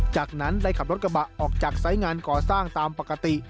จากนั้นได้ขับรถกระบะออกจากสายงานก่อสร้างตามปกติ